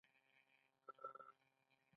هغه څوک چې خپل تېر ژوند یې په یاد نه وي.